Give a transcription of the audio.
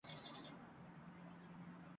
Har safar ketayotib, ostonada toʻxtab, soʻradi.